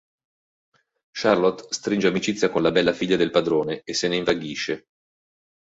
Charlot stringe amicizia con la bella figlia del padrone e se ne invaghisce.